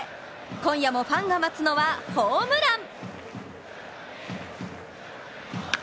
今夜もファンが待つのはホームラン。